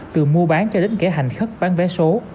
từ mua bán cho đến kẻ hành bán vé số